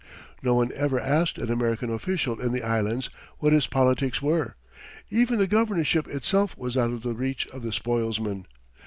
No one ever asked an American official in the Islands what his politics were. Even the governorship itself was out of the reach of the spoilsman.